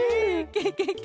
ケケケ。